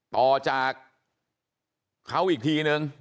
บอกแล้วบอกแล้วบอกแล้ว